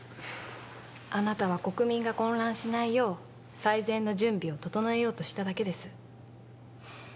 あなたは国民が混乱しないよう最善の準備を整えようとしただけです